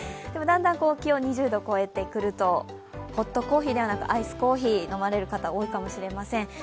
でも、だんだん気温が２０度を超えてくると、ホットコーヒーではなくアイスコーヒー飲まれる方多いかもしれません。